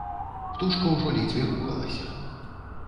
Птушка ўжо ледзьве рухалася.